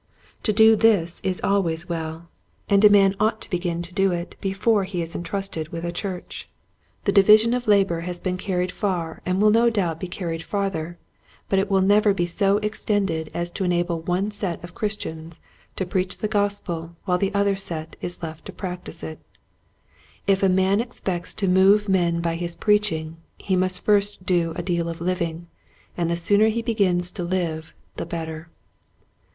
To do this is always well, and a man ought to be gin to do it before he is intrusted with a The Man of Macedonia. 19 church. The division of labor has been carried far and will no doubt be carried farther, but it will never be so extended as to enable one set of Christians to preach the gospel while the other set is left to practice it. If a man expects to move men by his preaching h6 must first do a deal of living, and the sooner he begins to live the better.